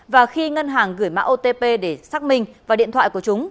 và khi ngân hàng gửi mã otp để xác minh vào điện thoại của chúng